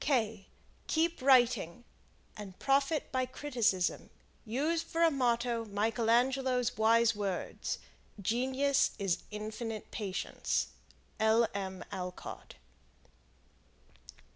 Keep writing and profit by criticism. Use for a motto Michael Angelo's wise words: "Genius is infinite patience." L. M. Alcott.